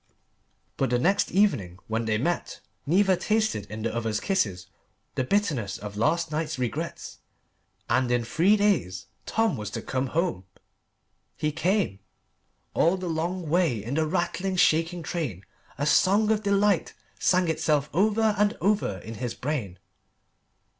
But the next evening, when they met, neither tasted in the other's kisses the bitterness of last night's regrets. And in three days Tom was to come home. He came. All the long way in the rattling, shaking train a song of delight sang itself over and over in his brain.